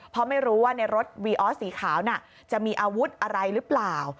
เพราะไม่รู้ว่าในรถวีออสสีขาวน่ะจะมีอาวุธอะไรหรือเปล่า